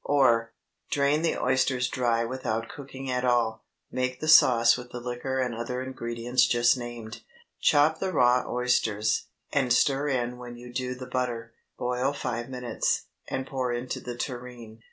Or, Drain the oysters dry without cooking at all; make the sauce with the liquor and other ingredients just named. Chop the raw oysters, and stir in when you do the butter; boil five minutes, and pour into the tureen.